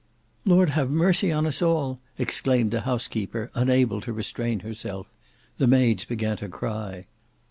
"Lord have mercy on us all!" exclaimed the housekeeper unable to restrain herself. The maids began to cry.